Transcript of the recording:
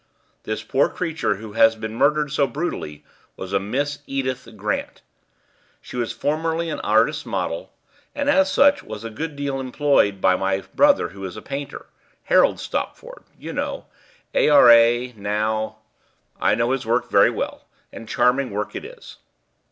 This poor creature who has been murdered so brutally was a Miss Edith Grant. She was formerly an artist's model, and as such was a good deal employed by my brother, who is a painter Harold Stopford, you know, A.R.A. now " "I know his work very well, and charming work it is."